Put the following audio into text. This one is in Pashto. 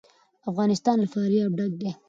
افغانستان له فاریاب ډک دی.